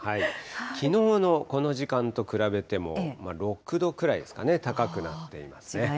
きのうのこの時間と比べても６度くらいですかね、高くなっていますね。